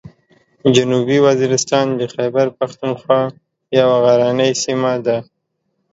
جنوبي وزیرستان د خیبر پښتونخوا یوه غرنۍ سیمه ده.